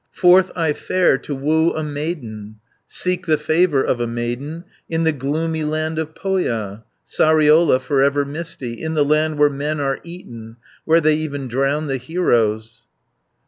Forth I fare to woo a maiden, Seek the favour of a maiden, In the gloomy land of Pohja, Sariola, for ever misty, In the land where men are eaten, Where they even drown the heroes."